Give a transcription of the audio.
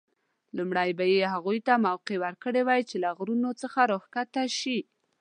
لومړی به یې هغوی ته موقع ورکړې وای چې له غرونو څخه راښکته شي.